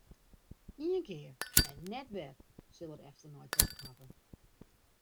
Ien kear en net wer sil er efternei tocht hawwe.